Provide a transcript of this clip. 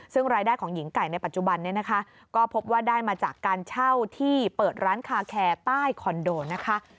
ซึ่งรายได้ของหญิงไก่ในปัจจุบันนี้นะคะก็พบว่าได้มาจากการเช่าที่เปิดร้านคาแคร์ใต้คอนโดนะคะ